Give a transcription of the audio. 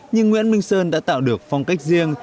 nhưng nguyễn minh sơn đã tạo được phong cách riêng